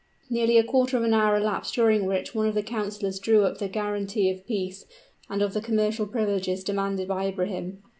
Nearly a quarter of an hour elapsed during which one of the councilors drew up the guaranty of peace and of the commercial privileges demanded by Ibrahim.